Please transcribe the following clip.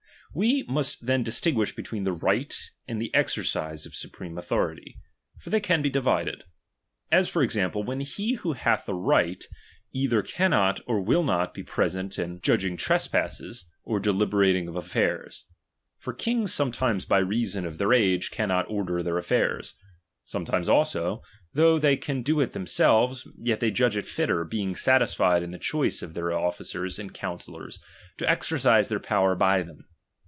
We must then distinguish between the rig/it and the exercise of supreme authority ; for they can be divided. As for example, when he who hath the right J either cannot or will not be present in 166 DOMINION. CHAP. XIII. judging trespasses, or deliberating of affairs. For ''' kings sometimes by reason of their age cannot order their affairs ; sometimes also, though they can do it themselves, yet they judge it fitter, being satisfied in the choice of their officers and counsel lors, to exercise their power by them.